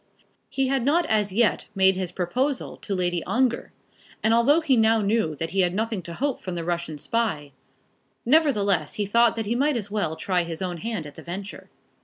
He had not as yet made his proposal to Lady Ongar, and although he now knew that he had nothing to hope from the Russian spy, nevertheless he thought that he might as well try his own hand at the venture.